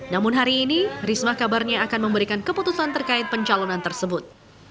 namun hari ini risma kabarnya akan memberikan keputusan terkait pencalonan tersebut